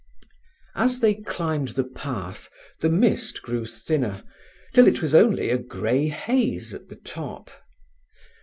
As they climbed the path the mist grew thinner, till it was only a grey haze at the top.